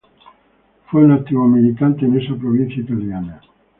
Fue un activo militante en esa provincia italiana.